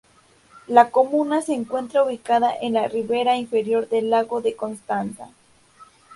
La comuna se encuentra ubicada en la ribera inferior del lago de Constanza.